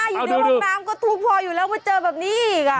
อยู่ในห้องน้ำก็ทุบพออยู่แล้วมาเจอแบบนี้อีก